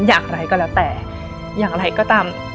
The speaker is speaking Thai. อย่างไรก็แล้วแต่อย่างไรก็ตาม